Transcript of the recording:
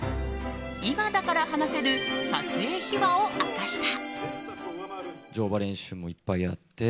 今だから話せる撮影秘話を明かした。